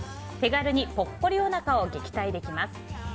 手軽にぽっこりおなかを撃退できます。